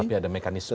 tetapi ada mekanisme